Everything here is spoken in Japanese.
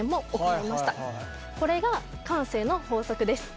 これが慣性の法則です。